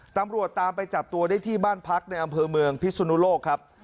ตำรวจตามไปจับตัวได้ที่บ้านพักในอำเภอเมืองพิสุนุโลกครับ